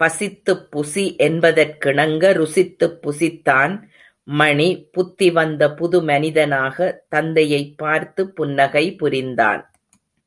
பசித்துப் புசி என்பதற்கிணங்க, ருசித்துப் புசித்தான் மணி புத்தி வந்த புது மனிதனாக தந்தையைப் பார்த்து புன்னகை புரிந்தான்.